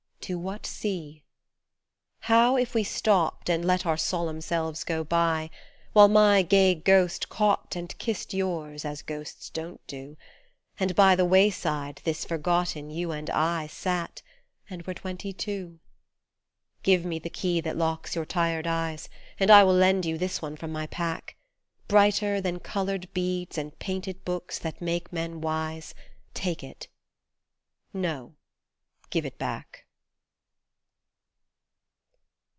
To what sea ? How if we stopped and let our solemn selves go by, While my gay ghost caught and kissed yours, as ghosts don't do, And by the wayside this forgotten you and I Sat, and were twenty two ? Give me the key that locks your tired eyes, And I will lend you this one from my pack, Brighter than coloured beads and painted books that make men wise Take it. No, give it back